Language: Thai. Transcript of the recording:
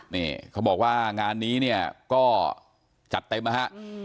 นี่เขาบอกว่างานนี้เนี่ยก็จัดเต็มนะฮะ